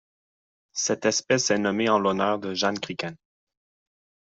Cette espèce est nommée en l'honneur de Jan Krikken.